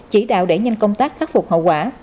chỉ đạo đẩy nhanh công tác khắc phục hậu quả